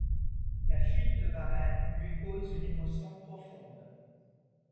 La fuite de Varennes lui cause une émotion profonde.